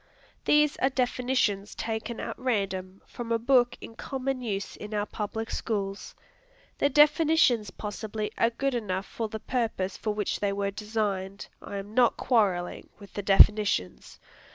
These are definitions taken at random from a book in common use in our public schools. The definitions possibly are good enough for the purpose for which they were designed. I am not quarrelling with the definitions.